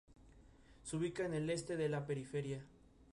La localidad posee iglesia y cementerio parroquiales, en la parte de Coaña.